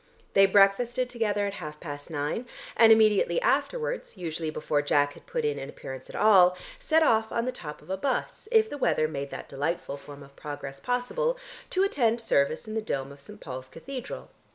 They breakfasted together at half past nine, and immediately afterwards, usually before Jack had put in an appearance at all, set off on the top of a bus, if the weather made that delightful form of progress possible, to attend service in the dome of St. Paul's Cathedral.